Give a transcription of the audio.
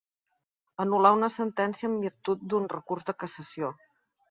Anul·lar una sentència en virtut d'un recurs de cassació.